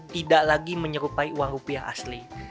tidak lagi menyerupai uang rupiah asli